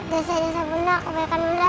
desa desa bunda kebaikan bunda